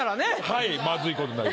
はいまずいことになる。